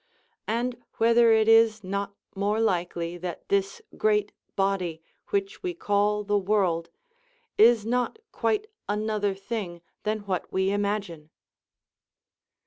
And whether it is not more likely that this great body, which we call the world, is not quite another thing than what we imagine.